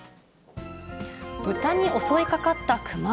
豚に襲いかかった熊。